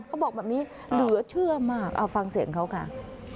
เขาบอกแบบนี้เหลือเชื่อมากเอาฟังเสียงเขาค่ะ